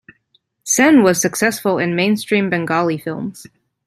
Sen was successful in mainstream Bengali films.